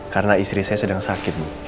karena istri saya sedang sakit bu